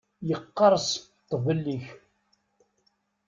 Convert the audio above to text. Yeqqers ṭṭbel-ik!